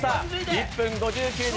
１分５９秒